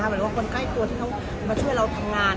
หรือว่าคนใกล้ตัวที่เขามาช่วยเราทำงาน